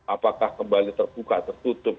apakah kembali terbuka tertutup